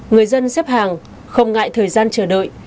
người dân xếp hàng không ngại thời gian chờ đợi